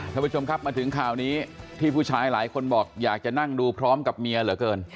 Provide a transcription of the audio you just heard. ท่านผู้ชมครับมาถึงข่าวนี้ที่ผู้ชายหลายคนบอกอยากจะนั่งดูพร้อมกับเมียเหลือเกิน